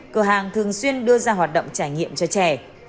cửa hàng thường xuyên đưa ra hoạt động trải nghiệm cho trẻ